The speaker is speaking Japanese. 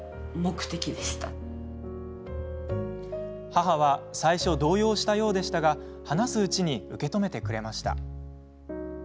母は最初は動揺したようでしたが話すうちに受け止めてくれました。